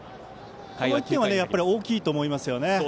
この１点は大きいと思います。